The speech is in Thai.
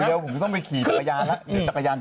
เดี๋ยวผมต้องไปขี่จักรยานล่ะ